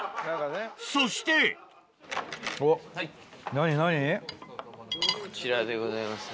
そしてこちらでございますね。